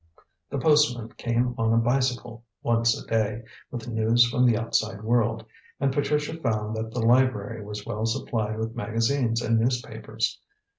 The postman came on a bicycle, once a day, with news from the outside world, and Patricia found that the library was well supplied with magazines and newspapers.